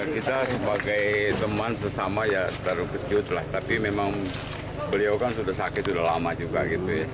kita sebagai teman sesama ya terlalu kejut lah tapi memang beliau kan sudah sakit sudah lama juga gitu ya